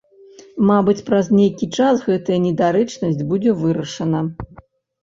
Мабыць, праз нейкі час гэтая недарэчнасць будзе вырашана.